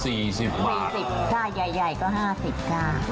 มีสิบค่าใหญ่ก็๕๐บาท